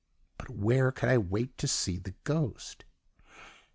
But where could I wait to see the ghost?